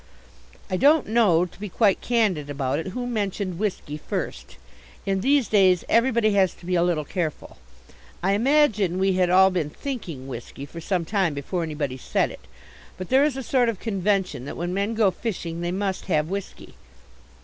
I don't know, to be quite candid about it, who mentioned whisky first. In these days everybody has to be a little careful. I imagine we had all been thinking whisky for some time before anybody said it. But there is a sort of convention that when men go fishing they must have whisky.